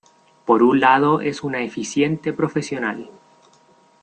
Por un lado es una eficiente profesional.